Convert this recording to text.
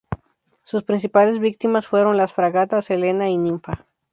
Sus principales víctimas fueron las fragatas "Elena" y "Ninfa".